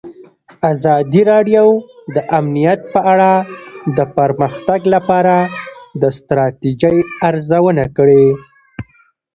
ازادي راډیو د امنیت په اړه د پرمختګ لپاره د ستراتیژۍ ارزونه کړې.